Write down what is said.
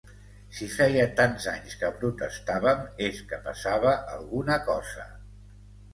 Si feia tants anys que protestàvem és que passava alguna cosa.